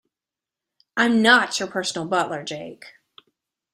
I'm not your personal butler, Jake.